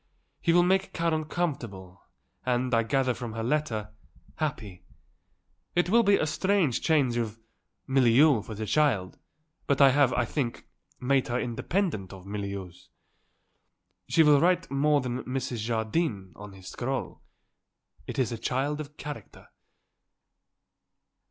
He will make Karen comfortable and, I gather from her letter, happy. It will be a strange change of milieu for the child, but I have, I think, made her independent of milieus. She will write more than Mrs. Jardine on his scroll. It is a child of character."